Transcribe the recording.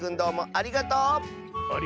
ありがとう！